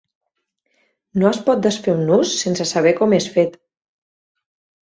No es pot desfer un nus sense saber com és fet.